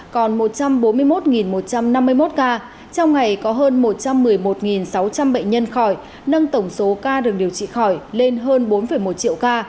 còn một trăm bốn mươi một một trăm năm mươi một ca trong ngày có hơn một trăm một mươi một sáu trăm linh bệnh nhân khỏi nâng tổng số ca được điều trị khỏi lên hơn bốn một triệu ca